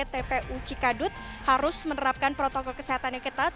tpu cikadut harus menerapkan protokol kesehatan yang ketat